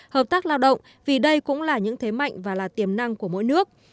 hợp tác lao động vì đây cũng là những thế mạnh và là tiềm năng của mỗi nước